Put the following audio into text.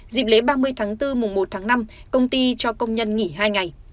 dịp lễ ba mươi tháng bốn mùng một tháng năm công ty cho công nhân nghỉ hai ngày